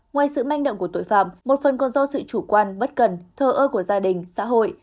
ngoài sự manh động của tội phạm một phần còn do sự chủ quan bất cần thờ ơ của gia đình xã hội